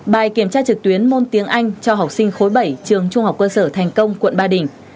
bài kiểm tra trực tuyến môn tiếng anh cho học sinh khối bảy trường trung học cơ sở thành công quận ba đình